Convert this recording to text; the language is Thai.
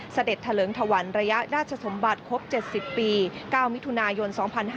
เสด็จเถลิงถวันระยะราชสมบัติครบ๗๐ปี๙มิถุนายน๒๕๕๙